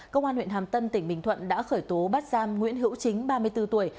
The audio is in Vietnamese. công an huyện hàm tân tỉnh bình thuận đã khởi tố bắt giam nguyễn hữu chính ba mươi bốn tuổi